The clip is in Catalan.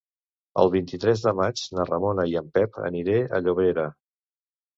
El vint-i-tres de maig na Ramona i en Pep aniré a Llobera.